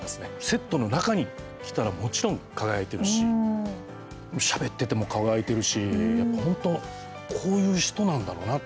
セットの中に来たらもちろん輝いているししゃべってても輝いているし本当、こういう人なんだろうな。